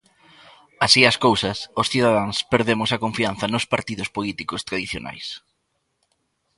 Así as cousas, os cidadáns perdemos a confianza nos partidos políticos tradicionais.